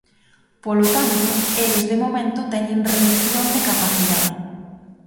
Polo tanto, eles de momento teñen redución de capacidade.